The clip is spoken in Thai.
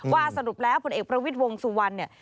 สรุปแล้วผลเอกประวิทย์วงสุวรรณเนี่ย